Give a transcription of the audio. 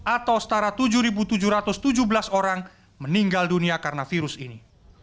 atau setara tujuh tujuh ratus tujuh belas orang meninggal dunia karena virus ini